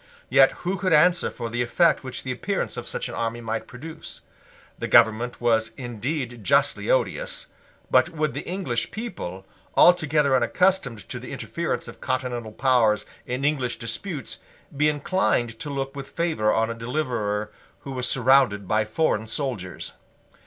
Yet who could answer for the effect which the appearance of such an army might produce? The government was indeed justly odious. But would the English people, altogether unaccustomed to the interference of continental powers in English disputes, be inclined to look with favour on a deliverer who was surrounded by foreign soldiers?